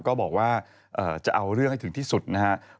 ก็บอกว่าจะเอาเรื่องให้ถึงที่สุดนะครับ